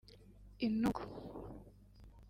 intugu